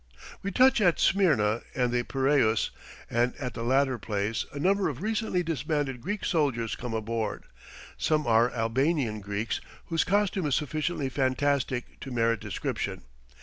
We touch at Smyrna and the Piraeus, and at the latter place a number of recently disbanded Greek soldiers come aboard; some are Albanian Greeks whose costume is sufficiently fantastic to merit description.